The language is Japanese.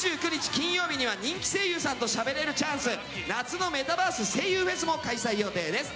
金曜日には人気声優さんとしゃべれるチャンス「夏のメタバース声優フェス」も開催予定です。